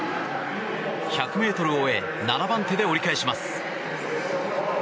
１００ｍを終え７番手で折り返します。